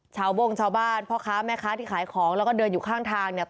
โบ้งชาวบ้านพ่อค้าแม่ค้าที่ขายของแล้วก็เดินอยู่ข้างทางเนี่ย